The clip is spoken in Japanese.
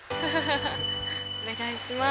お願いします。